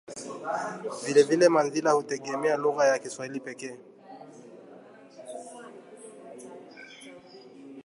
Vilevile, Manzila hutegemea lugha ya Kiswahili pekee